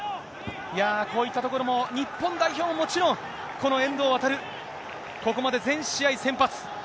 こういったところも、日本代表はもちろん、この遠藤航、ここまで全試合先発。